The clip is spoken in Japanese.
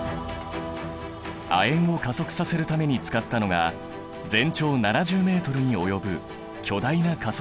亜鉛を加速させるために使ったのが全長７０ｍに及ぶ巨大な加速器だ。